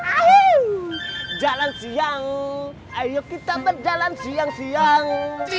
hmm jalan siang ayo kita berjalan siang siang